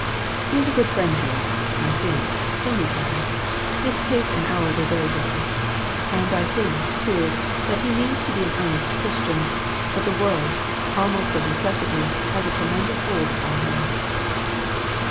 He is a good friend to us, I think, in his way ; his tastes and ours are very different. And I think, too, that he means to be an earnest Christian, but the world, almost of necessity, has a tremendous hold upon him."